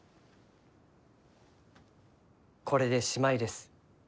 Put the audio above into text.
これでしまいです。